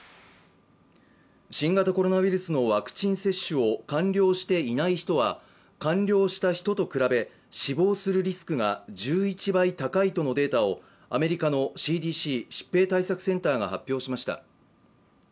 新型コロナウイルスのワクチン接種を完了していない人は完了した人と比べ死亡するリスクが１１倍高いとのデータをアメリカのＣＤＣ＝疾病対策センターが発表しました。